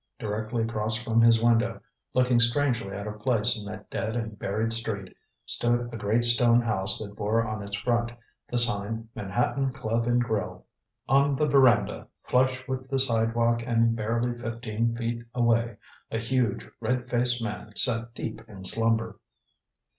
Directly across from his window, looking strangely out of place in that dead and buried street, stood a great stone house that bore on its front the sign "Manhattan Club and Grill." On the veranda, flush with the sidewalk and barely fifteen feet away, a huge red faced man sat deep in slumber.